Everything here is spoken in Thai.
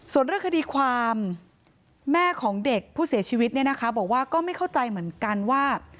ส่วนเรื่องคดีความแม่ของเด็กผู้เสียชีวิตเนี่ยนะคะบอกว่าก็ไม่เข้าใจเหมือนกันว่า